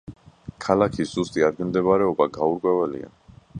ქალაქის ზუსტი ადგილმდებარეობა გაურკვეველია.